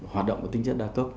hoạt động của tính chất đa cấp